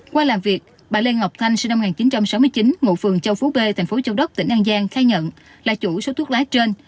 qua làm việc bà lê ngọc thanh sinh năm một nghìn chín trăm sáu mươi chín ngụ phường châu phú b thành phố châu đốc tỉnh an giang khai nhận là chủ số thuốc lá trên